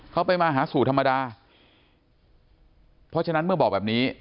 เขาไปมาหาสู่ธรรมดาเพราะฉะนั้นเมื่อบอกแบบนี้